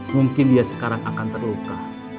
mungkin dia sekarang akan terluka